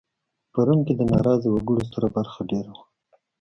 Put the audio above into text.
په روم کې د ناراضه وګړو ستره برخه دېره وه